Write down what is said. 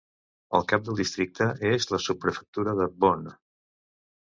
El cap del districte és la sotsprefectura de Beaune.